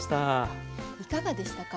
いかがでしたか？